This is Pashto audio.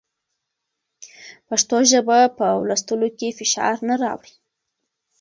پښتو ژبه په لوستلو کې فشار نه راوړي.